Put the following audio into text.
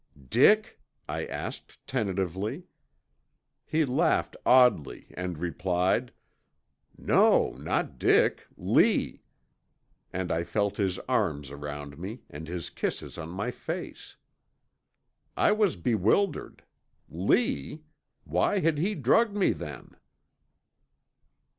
"'Dick?' I asked, tentatively. "He laughed oddly and replied, 'No, not Dick. Lee,' and I felt his arms around me and his kisses on my face. "I was bewildered. Lee! Why had he drugged me then?